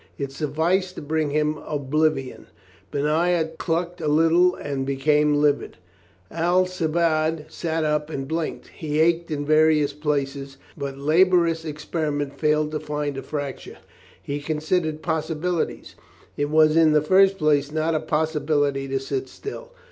It sufficed to bring him oblivion. Benaiah clucked a little and became livid. Alcibiade sat up and blinked. He ached in vari ous places, but laborious experiment failed to find a fracture. He considered possibilities. It was in the first place not a possibility to sit still.